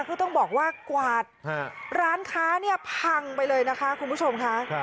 คือต้องบอกว่ากวาดร้านค้าเนี่ยพังไปเลยนะคะคุณผู้ชมค่ะ